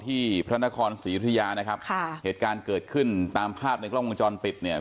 พระนครศรียุธยานะครับค่ะเหตุการณ์เกิดขึ้นตามภาพในกล้องวงจรปิดเนี่ย